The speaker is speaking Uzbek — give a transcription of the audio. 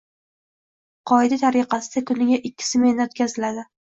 Qoida tariqasida, kuniga ikki smenada o'tkaziladi.